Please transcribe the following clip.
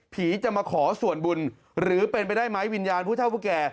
จะมาขอส่วนบุญหรือเป็นไปได้ไหมวิญญาณผู้เท่าผู้แก่